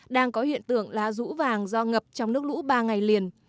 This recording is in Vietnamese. đang có hiện tượng lá rũ vàng do ngập trong nước lũ ba ngày liền